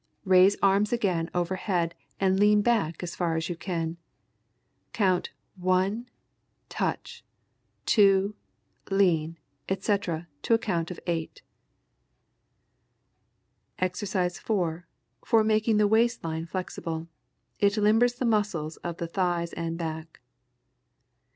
Raise arms again over head and lean back as far as you can. Count "one, touch; two, lean," etc., to a count of eight. [Illustration: EXERCISE 4. _For making the waist line flexible. It limbers the muscles of the thighs and back.